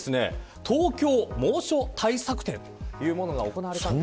東京猛暑対策展というものが行われたんです。